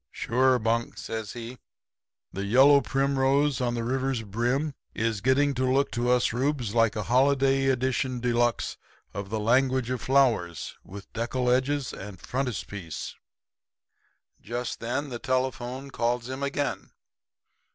"'Sure, Bunk,' says he. 'The yellow primrose on the river's brim is getting to look to us Reubs like a holiday edition de luxe of the Language of Flowers with deckle edges and frontispiece.' "Just then the telephone calls him again.